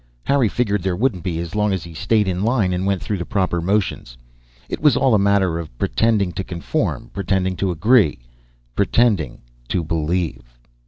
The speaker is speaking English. Harry figured there wouldn't be, as long as he stayed in line and went through the proper motions. It was all a matter of pretending to conform, pretending to agree, pretending to believe.